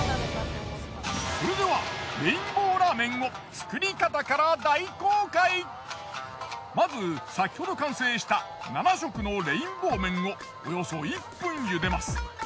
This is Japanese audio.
それではレインボーラーメンをまず先ほど完成した七色のレインボー麺をおよそ１分茹でます。